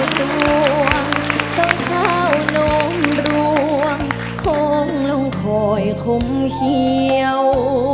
มองที่สีทรวงเจ้าส่วนเจ้าเจ้านมรวงคงลงคอยคมเขียว